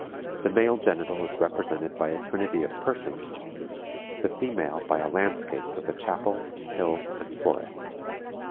The male genital is represented by a trinity of persons, the female by a landscape with a chapel, hill and forest.